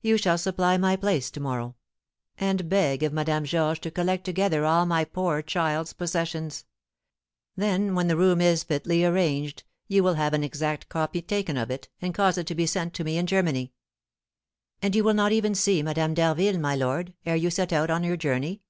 You shall supply my place to morrow; and beg of Madame Georges to collect together all my poor child's possessions; then when the room is fitly arranged, you will have an exact copy taken of it, and cause it to be sent to me in Germany." "And will you not even see Madame d'Harville, my lord, ere you set out on your journey?"